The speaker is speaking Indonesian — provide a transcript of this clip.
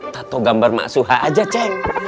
tato gambar maksuha aja cek